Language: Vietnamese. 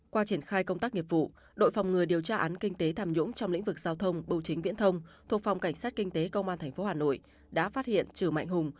qua triển khai công tác nghiệp vụ đội phòng ngừa điều tra án kinh tế tham nhũng trong lĩnh vực giao thông bưu chính viễn thông thuộc phòng cảnh sát kinh tế công an tp hà nội đã phát hiện trừ mạnh hùng